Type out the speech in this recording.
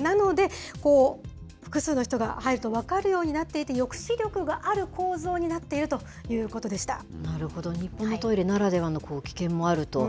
なので、複数の人が入ると、分かるようになっていて、抑止力がある構造になっているということでなるほど、日本のトイレならではの危険もあると。